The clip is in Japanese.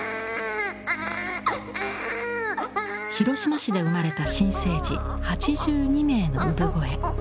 広島市で生まれた新生児８２名の産声。